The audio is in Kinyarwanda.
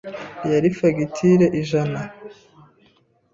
Yari fagitire ijana.